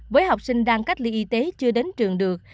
với học sinh đang cách ly y tế chưa đến trường được